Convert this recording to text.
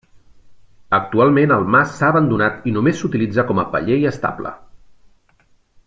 Actualment el mas s'ha abandonat i només s'utilitza com a paller i estable.